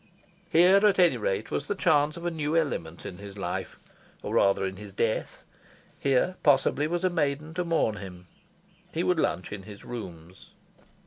Here, at any rate, was the chance of a new element in his life, or rather in his death. Here, possibly, was a maiden to mourn him. He would lunch in his rooms.